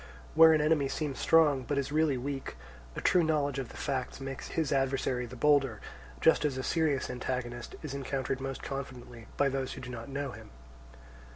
Where an enemy seems strong but is really weak, a true knowledge of the facts makes his adversary the bolder, just as a serious antagonist is encountered most confidently by those who do not know him.